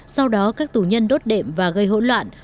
sau đó các tù nhân đốt đệm và gây hỗn loạn